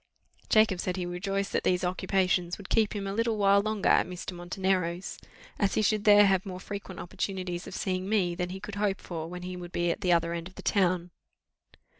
Jacob said he rejoiced that these occupations would keep him a little while longer at Mr. Montenero's, as he should there have more frequent opportunities of seeing me, than he could hope for when he should be at the other end of the town.